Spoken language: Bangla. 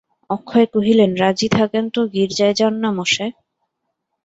অক্ষয় কহিলেন, রাজি থাকেন তো গির্জায় যান-না মশায়।